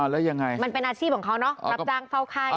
แล้วยังไงมันเป็นอาชีพของเขาเนอะรับจ้างเฝ้าไข้